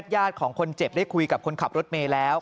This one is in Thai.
ญาติของคนเจ็บได้คุยกับคนขับรถเมย์แล้ว